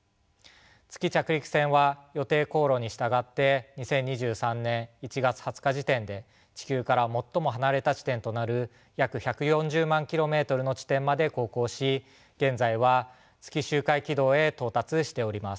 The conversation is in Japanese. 月着陸船は予定航路に従って２０２３年１月２０日時点で地球から最も離れた地点となる約１４０万ｋｍの地点まで航行し現在は月周回軌道へ到達しております。